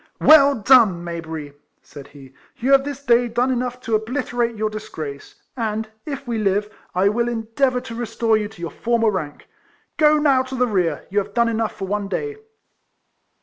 " Well done, Mayberry !" said he ;" you have this day done enough to obliterate your disgrace; and, if we live, I will endeavour to restore you to your former rank. Go 128 RECOLLECTIONS OF now to the rear ; you have done enough for one day."